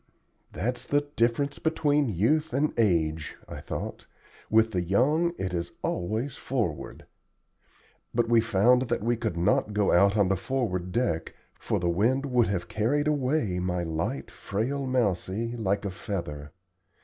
"That's the difference between youth and age," I thought. "With the young it is always 'forward.'" But we found that we could not go out on the forward deck, for the wind would have carried away my light, frail Mousie, like a feather.